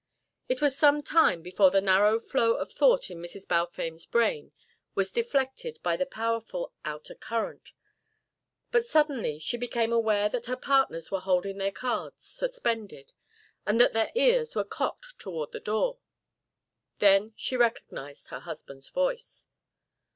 It was some time before the narrow flow of thought in Mrs. Balfame's brain was deflected by the powerful outer current, but suddenly she became aware that her partners were holding their cards suspended, and that their ears were cocked toward the door. Then she recognised her husband's voice.